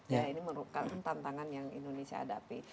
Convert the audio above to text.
ya ini merupakan tantangan yang indonesia hadapi